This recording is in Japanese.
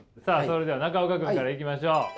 さあそれでは中岡君からいきましょう。